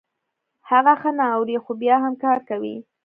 هغه ښه نه اوري خو بيا هم کار کوي.